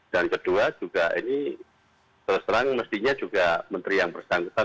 dan kedua juga ini selesai selesai mestinya juga menteri yang bersangkutan